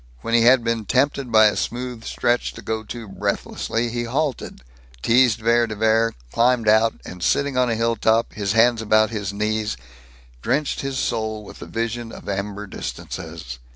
When he had been tempted by a smooth stretch to go too breathlessly, he halted, teased Vere de Vere, climbed out and, sitting on a hilltop, his hands about his knees, drenched his soul with the vision of amber distances.